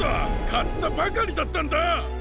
かったばかりだったんだ！